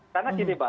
karena gini pak